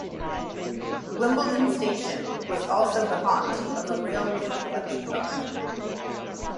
Wimbledon Station was also the haunt of a 'Railway Collection Dog'.